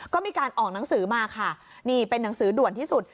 ก็มีการออกหนังสือมาค่ะนี่เป็นหนังสือด่วนที่สุด